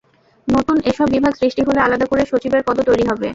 নতুন এসব বিভাগ সৃষ্টি হলে আলাদা করে সচিবের পদও তৈরি হবে।